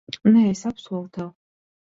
Nē, es apsolu tev.